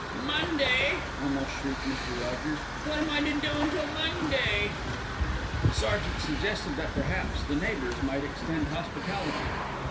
"Monday?" almost shrieked Mr. Rogers. "What am I to do until Monday?" The sergeant suggested that perhaps the neighbours might extend hospitality.